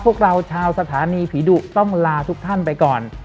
พวกเราชาวสถานีผีดุต้องลาทุกท่านไปก่อน